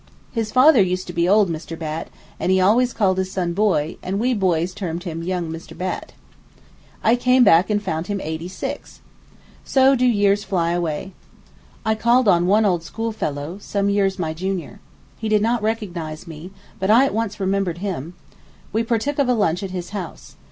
His father used to be "old Mr. Batt," and he always called his son his "boy," and we boys termed him "young Mr. Batt." I came back and found him eighty six. So do years fly away. I called on one old school fellow, some years my junior. He did not recognize me, but I at once remembered him. We partook of a lunch at his house.